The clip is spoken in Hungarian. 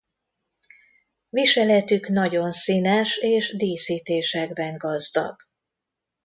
Viseletük nagyon színes és díszítésekben gazdag.